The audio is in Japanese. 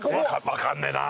わかんねえな。